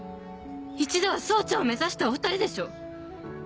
一度は総長を目指したお２人でしょう。